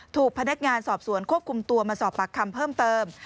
ถูกพนักงานสอบสวนควบคุมตัวมาสอบปากคำเพิ่มเติม